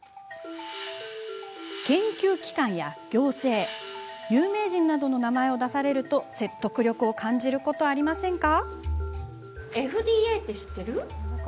研究機関や行政有名人などの名前を出されると説得力を感じることありませんか。